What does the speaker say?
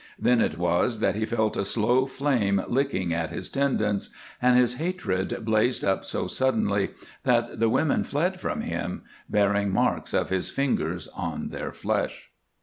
Then it was that he felt a slow flame licking at his tendons, and his hatred blazed up so suddenly that the women fled from him, bearing marks of his fingers on their flesh.